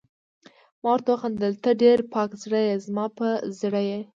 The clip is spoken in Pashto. ما ورته وخندل: ته ډېره پاک زړه يې، زما په زړه یې.